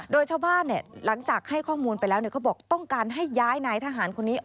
โดยชาวบ้านหลังจากให้ข้อมูลไปแล้วเขาบอกต้องการให้ย้ายนายทหารคนนี้